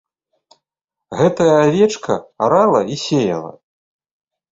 Гэтая авечка арала і сеяла.